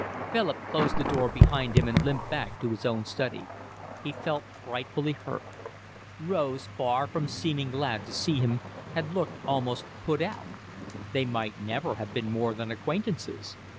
Philip closed the door behind him and limped back to his own study. He felt frightfully hurt. Rose, far from seeming glad to see him, had looked almost put out. They might never have been more than acquaintances.